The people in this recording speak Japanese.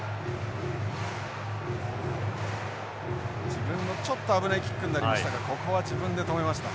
自分のちょっと危ないキックになりましたがここは自分で止めました。